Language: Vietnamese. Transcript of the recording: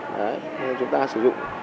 đấy nên chúng ta sử dụng